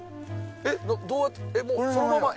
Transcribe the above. えっどうやってそのまま？